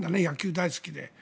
野球大好きで。